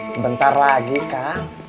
sebentar lagi kak